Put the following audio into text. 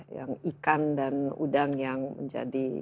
yang ikan dan udang yang menjadi